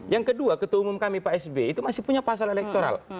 yang kedua ketua umum kami pak sby itu masih punya pasal elektoral